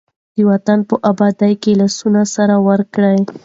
د وطن په ابادۍ کې لاسونه سره ورکړئ.